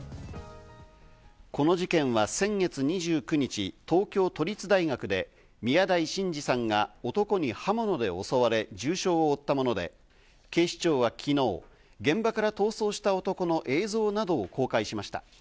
この事件は先月２９日、東京都立大学で宮台真司さんが男に刃物で襲われ、重傷を負ったもので、警視庁は昨日、現場から逃走した男の映像などを公開しました。